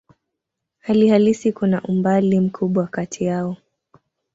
Hali halisi kuna umbali mkubwa kati yao.